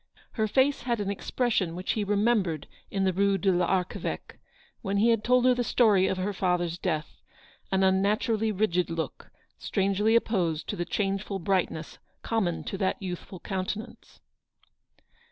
Her face had an expression which he remembered in the Rue de VArcheveque, when he had told her the story of her father's death — an unnaturally rigid look, strangely opposed to the changeful brightness common to that youthful countenance.